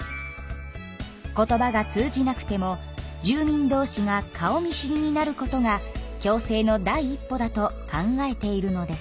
言葉が通じなくても住民どうしが顔見知りになることが共生の第一歩だと考えているのです。